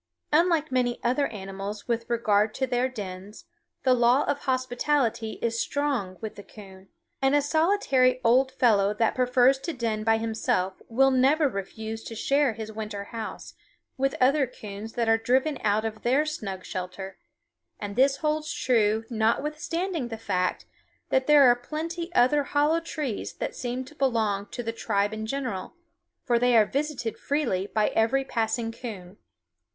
Unlike many other animals with regard to their dens, the law of hospitality is strong with the coon, and a solitary old fellow that prefers to den by himself will never refuse to share his winter house with other coons that are driven out of their snug shelter; and this holds true notwithstanding the fact that there are plenty other hollow trees that seem to belong to the tribe in general, for they are visited freely by every passing coon.